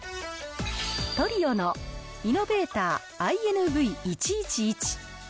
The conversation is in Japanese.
トリオのイノベーターＩＮＶー１１１。